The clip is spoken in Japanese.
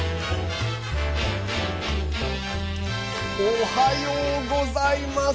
おはようございます！